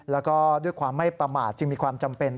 แล้วก็ด้วยความไม่ประมาทจึงมีความจำเป็น